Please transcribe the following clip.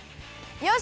よし！